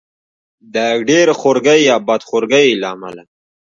د ډېر خورګۍ یا بد خورګۍ له امله.